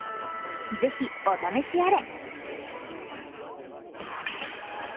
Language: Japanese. ぜひ、お試しあれ。